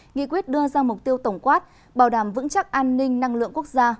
nghị quyết đưa ra mục tiêu tổng quát bảo đảm vững chắc an ninh năng lượng quốc gia